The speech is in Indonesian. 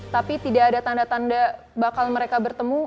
tapi tidak ada tanda tanda bakal mereka bertemu